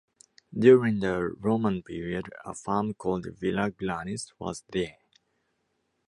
During the Roman period a farm called "Villa Glanis" was there.